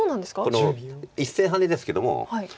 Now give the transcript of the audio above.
この１線ハネですけども。